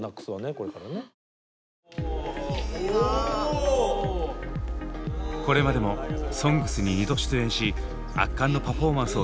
これまでも「ＳＯＮＧＳ」に２度出演し圧巻のパフォーマンスを見せてくれたＢＴＳ。